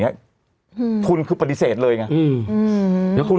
เงี้ยอืมทุนคือไม่ได้เลยอืมหืม